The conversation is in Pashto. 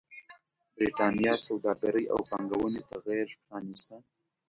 برېټانیا سوداګرۍ او پانګونې ته غېږ پرانېسته.